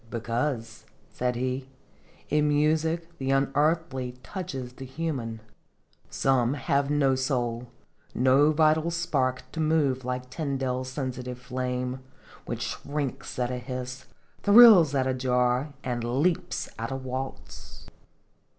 "Because," said he, "in music the un earthly touches the human. Some have no soul, no vital spark to move like Tyndall's 43 Singcfc iUotljs. sensitive flame, which shrinks at a hiss, thrills at a jar, and leaps at a waltz."